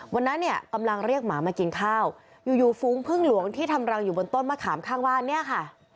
วันนั้นเนี่ยกำลังเรียกหมามากินข้าวอยู่อยู่ฟุ้งพึ่งหลวงที่ทำรังอยู่บนต้นมะขามข้างบ้านเนี่ยค่ะ